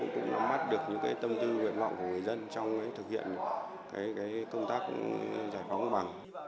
cũng nắm mắt được những cái tâm tư huyện mọng của người dân trong thực hiện công tác giải phóng bằng